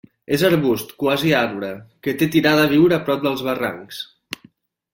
És arbust, quasi arbre, que té tirada a viure a prop dels barrancs.